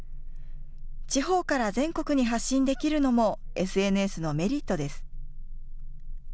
地方から全国に発信できるのもＳＮＳのメリットです。